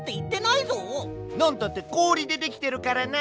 なんたってこおりでできてるからな！